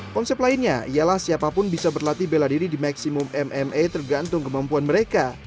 konsep lainnya ialah siapapun bisa berlatih bela diri di maximum mma tergantung kemampuan mereka